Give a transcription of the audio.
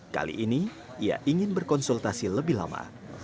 kali ini ia ingin berkonsultasi lebih lama